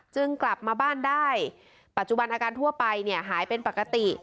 กลับมาบ้านได้ปัจจุบันอาการทั่วไปเนี่ยหายเป็นปกติ